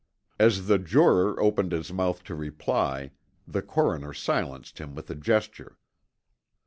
As the juror opened his mouth to reply, the coroner silenced him with a gesture.